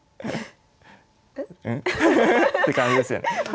ん？ん？って感じですよね。